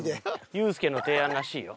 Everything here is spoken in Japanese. ユースケの提案らしいよ。